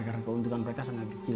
karena keuntungan mereka sangat kecil